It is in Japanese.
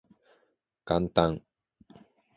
元旦